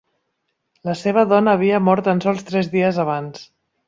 La seva dona havia mort tan sols tres dies abans.